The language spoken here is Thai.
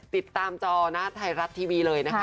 ติดตามจอนาทายรัฐทีวีเลยนะคะ